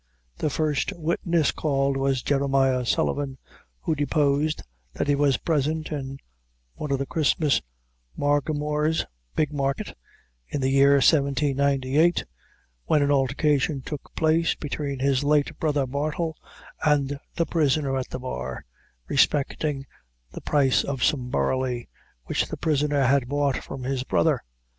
The first witness called was Jeremiah Sullivan, who deposed that he was present in one of the Christmas Margamores [Big Market] in the year 1798, when an altercation took place between his late brother Bartle and the prisoner at the bar, respecting the price of some barley, which the prisoner had bought from his brother.